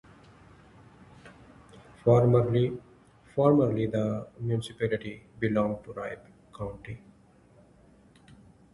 Formerly the municipality belonged to Ribe County.